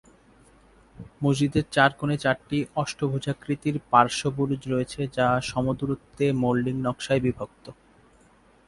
মসজিদের চার কোণে চারটি অষ্টভুজাকৃতির পার্শ্ব বুরুজ রয়েছে যা সমদূরত্বে মোল্ডিং নকশায় বিভক্ত।